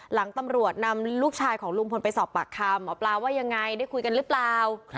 หลังตำรวจนำลูกชายของลุงพลไปสอบปากคำหมอปลาว่ายังไงได้คุยกันหรือเปล่า